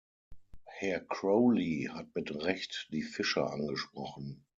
Herr Crowley hat mit Recht die Fischer angesprochen.